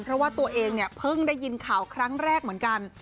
เพราะว่าตัวเองเนี่ยเพิ่งได้ยินข่าวครั้งแรกเหมือนกัน